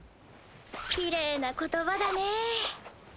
きれいな言葉だねぇ。